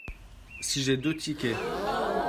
si j'ai deux tickets.